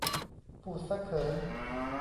พูดซะเขิน